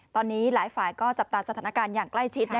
ตอนนี้หลายฝ่ายก็จับตาสถานการณ์อย่างใกล้ชิด